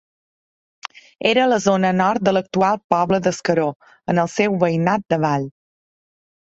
Era a la zona nord de l'actual poble d'Escaró, en el seu Veïnat d'Avall.